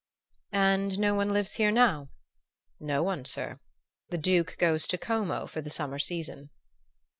"And no one lives here now?" "No one, sir. The Duke, goes to Como for the summer season."